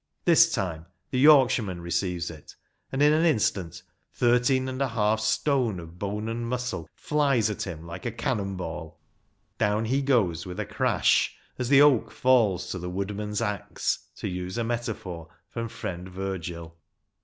This time the Yorkshireman receives it, and in an instant thirteen and a half stone of bone and muscle flies at him like a cannon ball. Down he goes with a crash ‚ÄĒ as the oak falls to the woodman's axe, to use a metaphor from friend Virgil.